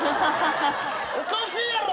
おかしいやろ！